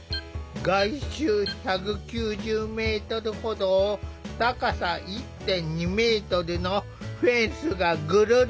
外周１９０メートルほどを高さ１．２メートルのフェンスがぐるり。